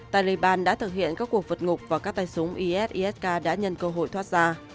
taliban đã thực hiện các cuộc vật ngục và các tay súng is isk đã nhân cơ hội thoát ra